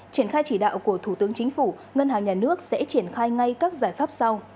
triển khai chỉ đạo của thủ tướng chính phủ ngân hàng nhà nước sẽ triển khai ngay các giải pháp sau